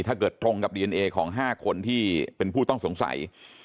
ตรงกับดีเอนเอของ๕คนที่เป็นผู้ต้องสงสัย